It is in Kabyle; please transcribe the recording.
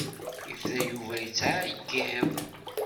Yebda Yuba yettεeyyiḍ.